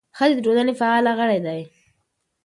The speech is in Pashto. ښځې د ټولنې فعاله غړي دي.